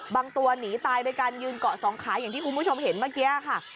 ตัวหนีตายโดยการยืนเกาะสองขาอย่างที่คุณผู้ชมเห็นเมื่อกี้ค่ะ